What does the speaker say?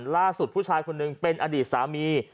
ผู้ชายคนหนึ่งเป็นอดีตสามี